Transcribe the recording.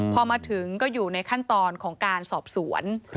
พอมาถึงก็อยู่ในขั้นตอนของการสอบสวน